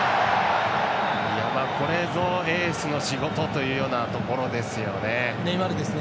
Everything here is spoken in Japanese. これぞエースの仕事というようなネイマールですね。